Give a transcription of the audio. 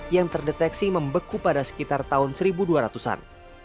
yang terdeteksi membeku pada sekitar tahun seribu dua ratus an